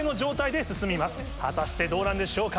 果たしてどうなんでしょうか？